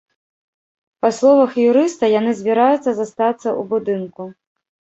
Па словах юрыста, яны збіраюцца застацца ў будынку.